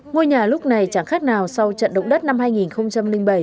ngôi nhà lúc này chẳng khác nào sau trận động đất năm hai nghìn bảy